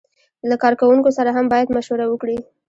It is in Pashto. له کارکوونکو سره هم باید مشوره وکړي.